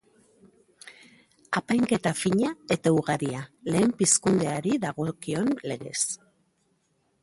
Apainketa fina eta ugaria, Lehen Pizkunde hari dagokion legez.